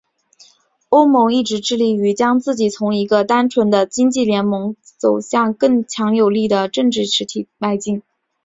欧盟一直致力于将自己从一个单纯的经济联盟向更强有力的政治实体迈进。